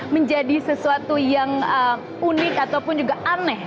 menjadi sesuatu yang unik ataupun juga aneh